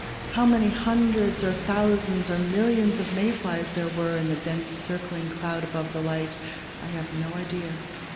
How many hundreds or thousands or millions of May flies there were in the dense circling cloud about the light, I have no idea.